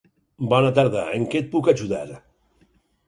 Bona tarda. En què et puc ajudar?